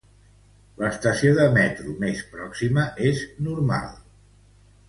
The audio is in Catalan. L'estació de metro més pròxima és Normal.